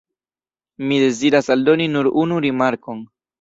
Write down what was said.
Mi deziras aldoni nur unu rimarkon.